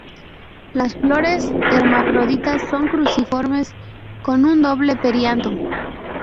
Las flores, hermafroditas, son cruciformes con un doble perianto.